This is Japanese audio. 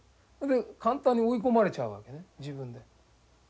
で簡単に追い込まれちゃうわけね自分で。